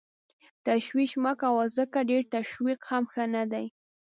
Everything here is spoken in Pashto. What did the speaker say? تشویش مه کوه ځکه ډېر تشویش هم ښه نه دی.